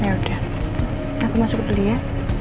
ya udah aku masuk beli ya